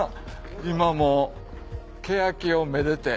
今もうケヤキを愛でて。